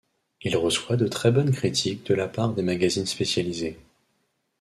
Il reçoit de très bonnes critiques de la part des magazines spécialisés.